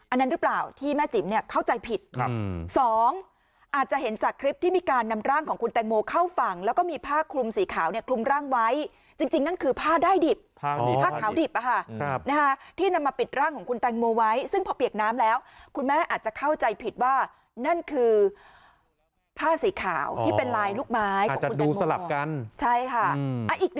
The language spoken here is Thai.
อันนั้นหรือเปล่าที่แม่จิ๋มเนี่ยเข้าใจผิดครับสองอาจจะเห็นจากคลิปที่มีการนำร่างของคุณแตงโมเข้าฝั่งแล้วก็มีผ้าคลุมสีขาวเนี่ยคลุมร่างไว้จริงนั่นคือผ้าได้ดิบผ้าขาวดิบที่นำมาปิดร่างของคุณแตงโมไว้ซึ่งพอเปียกน้ำแล้วคุณแม่อาจจะเข้าใจผิดว่านั่นคือผ้าสีขาวที่เป็นลายลูกไม้ของคุณแตงโมสลับกันใช่ค่ะ